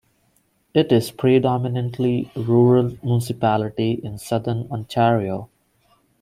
It is a predominantly rural municipality in Southern Ontario.